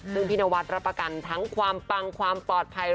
ซึ่งพี่นวัดรับประกันทั้งความปังความปลอดภัย